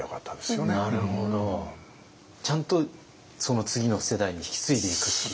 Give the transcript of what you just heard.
ちゃんとその次の世代に引き継いでいくっていう。